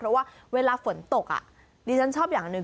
เพราะว่าเวลาฝนตกอ่ะดิฉันชอบอย่างหนึ่ง